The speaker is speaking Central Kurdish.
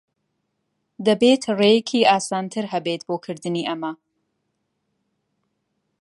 دەبێت ڕێیەکی ئاسانتر ھەبێت بۆ کردنی ئەمە.